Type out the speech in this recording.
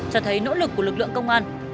cho thấy nỗ lực của lực lượng công an